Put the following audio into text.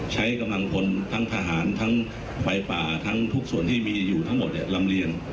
ใช้กำลังพลทั้งทหารทั้งไฟป่าทั้งทุกส่วนที่มีอยู่ทั้งหมดลำเลียง